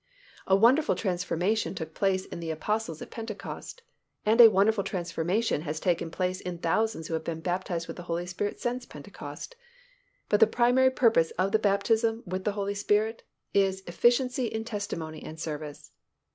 A wonderful transformation took place in the Apostles at Pentecost, and a wonderful transformation has taken place in thousands who have been baptized with the Holy Spirit since Pentecost, but the primary purpose of the baptism with the Holy Spirit is efficiency in testimony and service.